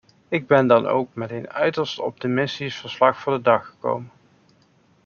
Ik ben dan ook met een uiterst optimistisch verslag voor de dag gekomen.